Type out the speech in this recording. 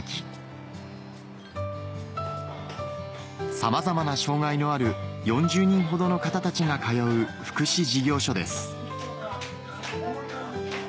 さまざまな障がいのある４０人ほどの方たちが通う福祉事業所です